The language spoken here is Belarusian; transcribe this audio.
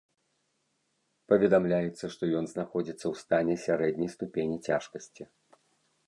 Паведамляецца, што ён знаходзіцца ў стане сярэдняй ступені цяжкасці.